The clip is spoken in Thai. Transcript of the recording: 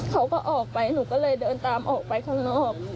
เขาก็ออกไปหนูก็เลยเดินตามออกไปข้างนอก